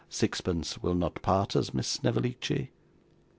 Sixpence will not part us, Miss Snevellicci?